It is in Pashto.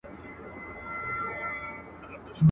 لکه مړی وو بې واکه سوی سکور وو.